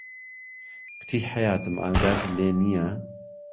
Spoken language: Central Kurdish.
کوتی حهیاتم ئاگات لێ نییه